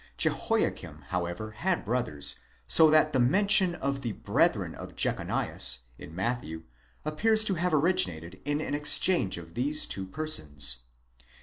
Jehoiakim, however, had brothers: so that the mention of the brethren of Jechonias in Matthew appears to have originated in an exchange of these two persons.